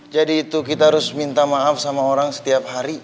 jadi itu kita harus minta maaf sama orang setiap hari